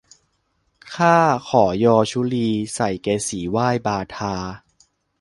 ข้าขอยอชุลี ใส่เกศีไหว้บาทา